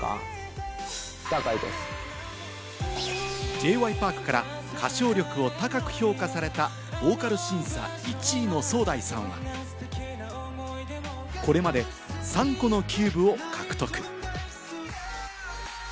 Ｊ．Ｙ．Ｐａｒｋから歌唱力を高く評価された、ボーカル審査１位のソウダイさんはこれまで３個のキューブを獲得。